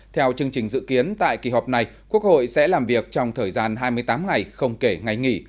theo chương trình dự kiến tại kỳ họp này quốc hội sẽ làm việc trong thời gian hai mươi tám ngày không kể ngày nghỉ